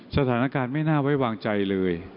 สถานการณ์ไม่น่าไว้วางใจเลย